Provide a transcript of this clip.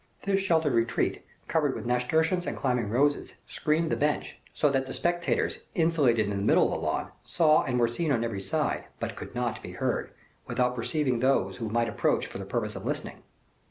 This sheltered retreat, covered with nasturtiums and climbing roses, screened the bench, so that the spectators, insulated in the middle of the lawn, saw and were seen on every side, but could not be heard, without perceiving those who might approach for the purpose of listening.